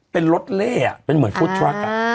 เป็นรถเล่เป็นเหมือนฟู้ดทรัค